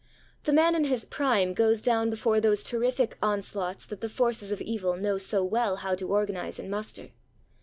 The man in his prime goes down before those terrific onslaughts that the forces of evil know so well how to organize and muster.